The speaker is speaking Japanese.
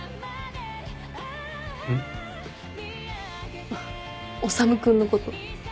ん？あっ修君のこと。